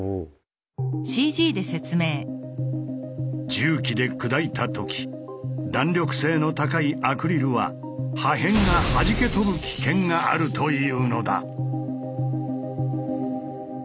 重機で砕いた時弾力性の高いアクリルは破片が弾け飛ぶ危険があるというのだ。